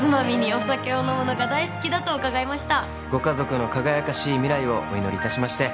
お酒を飲むのが大好きだと伺いました